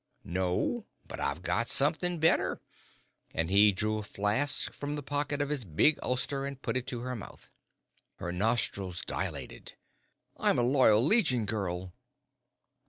"No, but I've got something better," and he drew a flask from the pocket of his big ulster and put it to her mouth. Her nostrils dilated. "I'm a Loyal Legion girl."